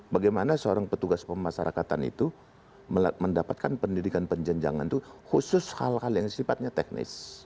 bagaimana seorang petugas pemasarakatan itu mendapatkan pendidikan penjenjangan itu khusus hal hal yang sifatnya teknis